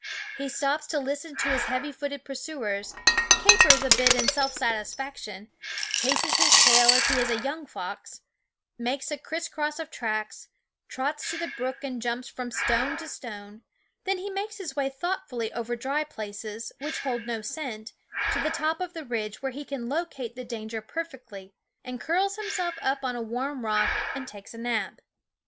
He stops to listen to his heavy footed pursuers, capers a bit in self satisfaction, chases his tail if he is a young fox, makes a crisscross of tracks, trots to the brook and jumps from stone to stone ; then he makes his way thoughtfully over dry places, which hold no scent, to the top of the ridge, where he can locate the danger perfectly, and curls himself up on a warm rock and takes a nap.